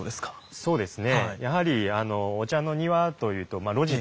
そうですか。